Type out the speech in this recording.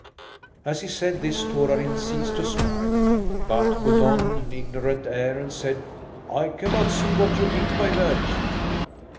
As he said this Torarin ceased to smile, but put on an ignorant air and said: "I cannot see what you mean by that."